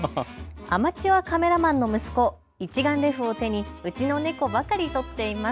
アマチュアカメラマンの息子、一眼レフを手にうちのネコばかり撮っています。